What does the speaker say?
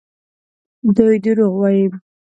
دوی دروغ وايي.